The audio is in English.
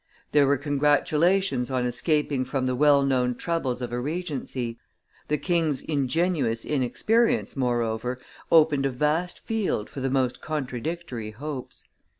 There were congratulations on escaping from the well known troubles of a regency; the king's ingenuous inexperience, moreover, opened a vast field for the most contradictory hopes.